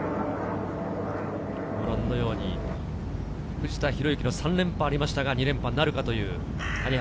藤田寛之の３連覇はありましたが、２連覇なるかという谷原。